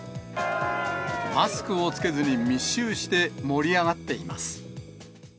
マスクを着けずに密集して盛り上がっています。